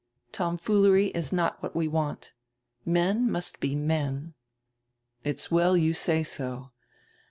Tomfoolery is not what we want. Men must be men." "It's well you say so.